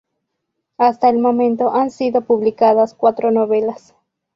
Hasta el momento han sido publicadas cuatro novelas.